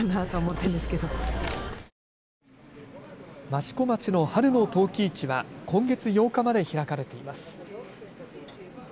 益子町の春の陶器市は今月８日まで開かれています。